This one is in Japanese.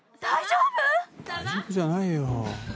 大丈夫じゃないよ。